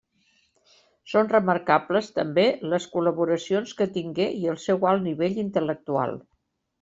Són remarcables, també, les col·laboracions que tingué i el seu alt nivell intel·lectual.